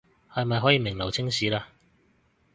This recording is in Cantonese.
是咪可以名留青史了